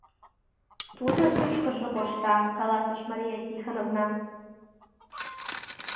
— Тудын мӱшкыржӧ коршта, — каласыш Мария Тихоновна.